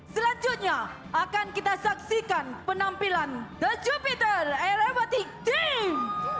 selanjutnya akan kita saksikan penampilan the jupiter aerobatic team